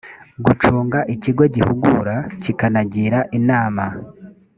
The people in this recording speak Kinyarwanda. gucunga ikigo gihugura kikanagira inama